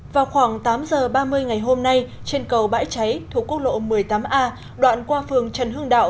vào khoảng tám giờ ba mươi ngày hôm nay trên cầu bãi cháy thuộc quốc lộ một mươi tám a đoạn qua phường trần hương đạo